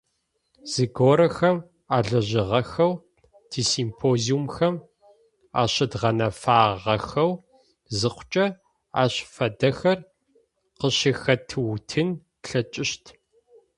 Зыгорэхэм алэжьыгъэхэу, тисимпозиумхэм ащыдгъэнэфагъэхэу зыхъукӏэ, ащ фэдэхэр къыщыхэтыутын тлъэкӏыщт.